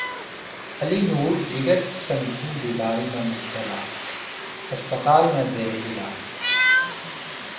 علی نور جگر کی سنگین بیماری میں مبتلا ہسپتال میں زیر علاج